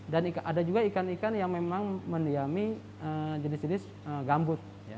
dan ada juga ikan ikan yang memang mendiami jenis jenis gambut